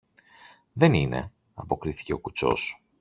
Δεν είναι, αποκρίθηκε ο κουτσός.